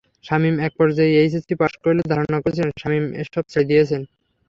শামীম একপর্যায়ে HSC pass করলে ধারণা করেছিলেন, শামীম এসব ছেড়ে দিয়েছেন।